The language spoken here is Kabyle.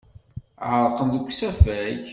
Ɛerqen deg usafag.